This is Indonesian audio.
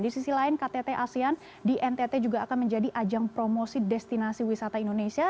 di sisi lain ktt asean di ntt juga akan menjadi ajang promosi destinasi wisata indonesia